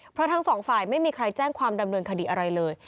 เพราะทั้งสองฝ่ายไม่มีใครแจ้งความดำเนินคดีอะไรเลย